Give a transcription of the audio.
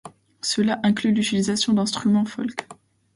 Cela inclut l'utilisation d'instruments folk.